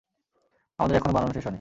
আমাদের এখনো বানানো শেষ হয়নি।